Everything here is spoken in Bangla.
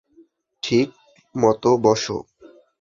ঠিক মতো বস!